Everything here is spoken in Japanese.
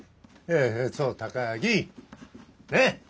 そう「高木」！ね！